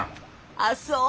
あっそう。